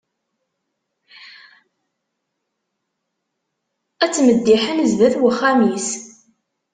Ad tmeddiḥen sdat n uxxam-is.